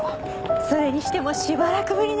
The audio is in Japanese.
それにしてもしばらくぶりね。